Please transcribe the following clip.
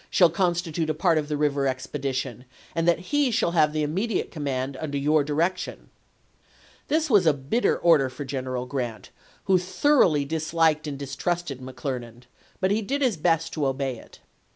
snaU constitute a part of the river expedition, and vol.' xvil; that he shall have the immediate command, under Part II p. 425." your direction." This was a bitter order for Gen eral Grant, who thoroughly disliked and distrusted McClernand, but he did his best to obey it.